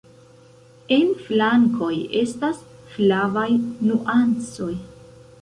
En flankoj estas flavaj nuancoj.